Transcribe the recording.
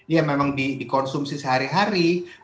ya memang dikonsumsi sehari hari